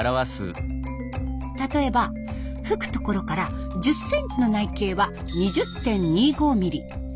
例えば吹くところから１０センチの内径は２０．２５ミリ。